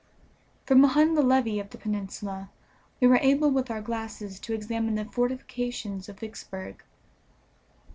From behind the levee of the peninsula we were able with our glasses to examine the fortifications of Vicksburg.